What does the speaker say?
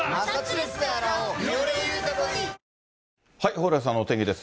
蓬莱さんのお天気です。